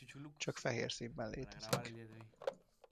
Csak fehér színben létezik.